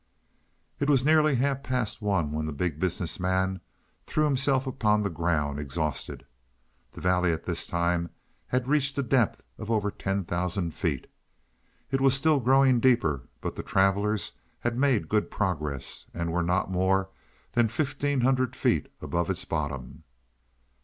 It was nearly half past one when the Big Business Man threw himself upon the ground exhausted. The valley at this time had reached a depth of over ten thousand feet. It was still growing deeper, but the travelers had made good progress and were not more than fifteen hundred feet above its bottom.